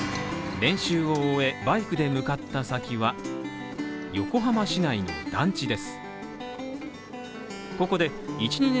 練習を終え、バイクで向かった先は横浜市内の団地です